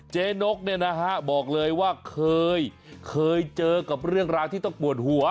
นกเนี่ยนะฮะบอกเลยว่าเคยเคยเจอกับเรื่องราวที่ต้องปวดหัว